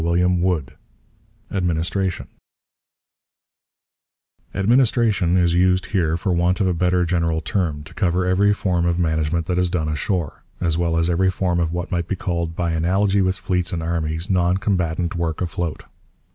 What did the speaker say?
CHAPTER X ADMINISTRATION Administration is used here for want of a better general term to cover every form of management that is done ashore, as well as every form of what might be called, by analogy with fleets and armies, non combatant work afloat.